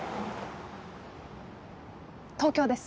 東京です。